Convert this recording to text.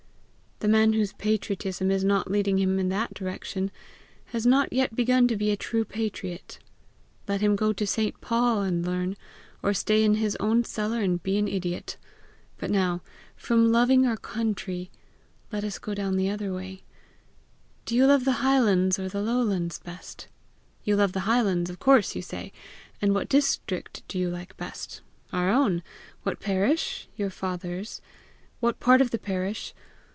The man whose patriotism is not leading him in that direction has not yet begun to be a true patriot. Let him go to St. Paul and learn, or stay in his own cellar and be an idiot. But now, from loving our country, let us go down the other way: Do you love the highlands or the lowlands best? You love the highlands, of course, you say. And what district do you like best? Our own. What parish? Your father's. What part of the parish?